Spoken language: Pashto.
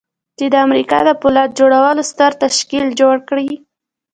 چې د امريکا د پولاد جوړولو ستر تشکيل جوړ کړي.